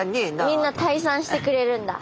みんな退散してくれるんだ。